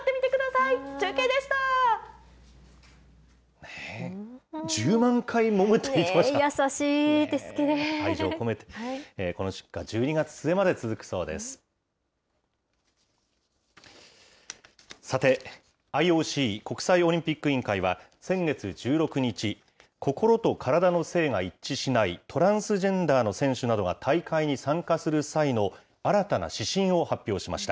さて、ＩＯＣ・国際オリンピック委員会は先月１６日、心と体の性が一致しない、トランスジェンダーの選手などが大会に参加する際の新たな指針を発表しました。